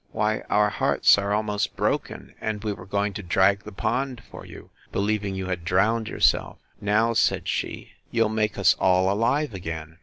—Why, our hearts are almost broken, and we were going to drag the pond for you, believing you had drowned yourself. Now, said she, you'll make us all alive again!